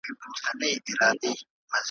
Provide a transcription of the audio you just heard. بیا به اوبه وي پکښي راغلي ,